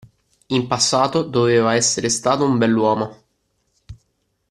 In passato doveva essere stato un bell'uomo.